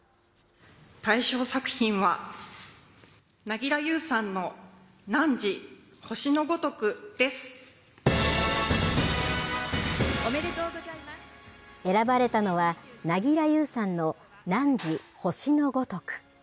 大賞作品は、凪良ゆうさんの、汝、星のごとくです。選ばれたのは、凪良ゆうさんの、汝、星のごとく。